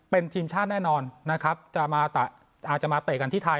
เป็นทีมชาติแน่นอนนะครับจะมาอาจจะมาเตะกันที่ไทย